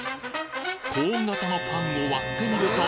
コーン形のパンを割ってみると